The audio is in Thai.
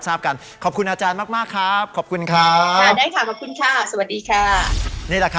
ต้องขอขอบคุณอาจารย์จิตรานะฮะ